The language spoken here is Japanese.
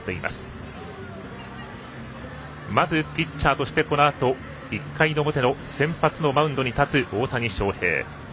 まずピッチャーとしてこのあと１回の表の先発マウンドに立つ大谷翔平。